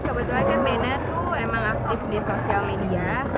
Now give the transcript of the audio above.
kebetulan kan mena tuh emang aktif di sosial media